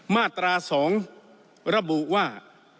มาตรา๒ระบุว่า